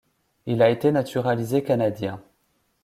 Il a été naturalisé canadien.